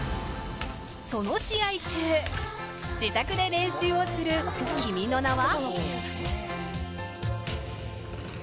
その試合中、自宅で練習をする君の名は？